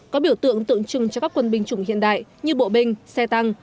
có biểu tượng tượng trưng cho các quân binh chủng hiện đại như bộ binh xe tăng